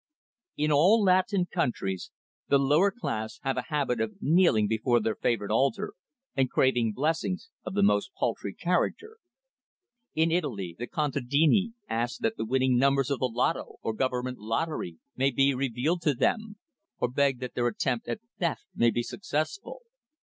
In all Latin countries the lower class have a habit of kneeling before their favourite altar and craving blessings of the most paltry character. In Italy, the contadini ask that the winning numbers of the lotto or Government lottery may be revealed to them, or beg that their attempt at theft may be successful.